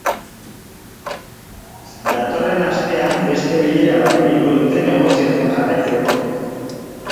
Datorren astean, beste bilera bat egingo dute negoziatzen jarraitzeko.